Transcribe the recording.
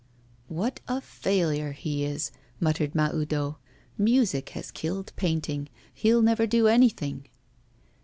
'What a failure he is!' muttered Mahoudeau. 'Music has killed painting; he'll never do anything!